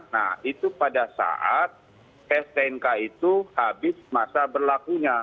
nah itu pada saat stnk itu habis masa berlakunya